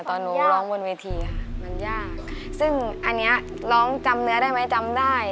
ตอนหนูร้องบนเวทีค่ะมันยากซึ่งอันเนี้ยร้องจำเนื้อได้ไหมจำได้